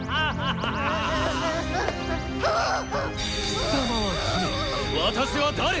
貴様は「３」私は「４」。